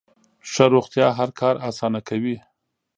ښه روغتیا هر کار اسانه کوي.